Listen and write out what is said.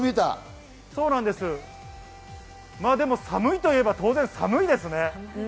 寒いと言えば当然寒いですね。